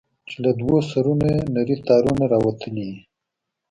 چې له دوو سرونو يې نري تارونه راوتلي دي.